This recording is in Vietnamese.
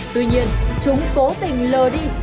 tuy nhiên chúng cố tình lờ đi